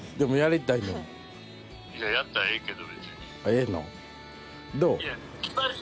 ええの？